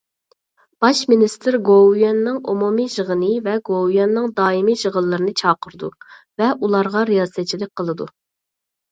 باش مىنىستىر گوۋۇيۈەننىڭ ئومۇمىي يىغىنى ۋە گوۋۇيۈەننىڭ دائىمىي يىغىنلىرىنى چاقىرىدۇ ۋە ئۇلارغا رىياسەتچىلىك قىلىدۇ.